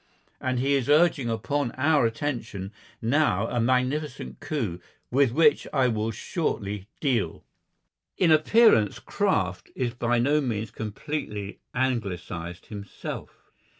And he is urging upon our attention now a magnificent coup, with which I will shortly deal. In appearance Kraft is by no means completely anglicised himself.